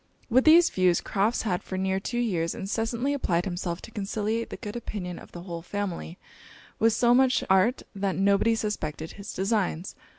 With these views, Crofts had for near two years incessantly applied himself to conciliate the good opinion of the whole family, with so much art that nobody suspected his designs.